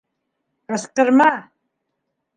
Ҡысҡырма!